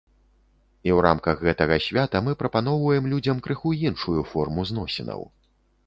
І ў рамках гэтага свята мы прапаноўваем людзям крыху іншую форму зносінаў.